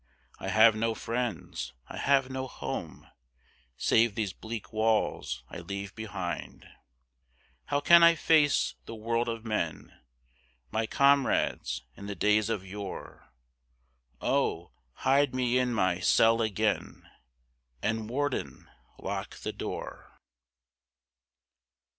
I have no friends, I have no home, Save these bleak walls I leave behind. How can I face the world of men, My comrades in the days of yore? Oh! hide me in my cell again, And, warden, lock the door.